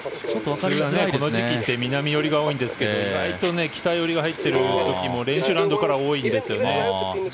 普通はこの時期って南寄りが多いんですが意外と北寄りが入っている時も練習ラウンドから多いんですね。